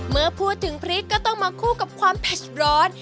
เมื่อพูดถึงพริกก็ต้องมาคู่กับความเผ็ดร้อน